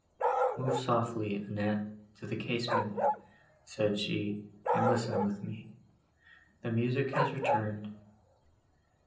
"Move softly, Annette, to the casement," said she, "and listen with me; the music is returned."